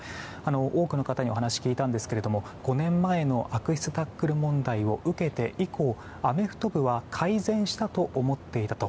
多くの方にお話、聞いたんですが５年前の悪質タックル問題を受けて以降アメフト部は改善したと思っていたと。